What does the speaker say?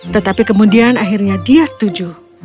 tetapi kemudian akhirnya dia setuju